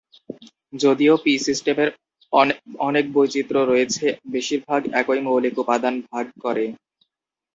যদিও পি সিস্টেমের অনেক বৈচিত্র্য রয়েছে, বেশিরভাগ একই মৌলিক উপাদান ভাগ করে।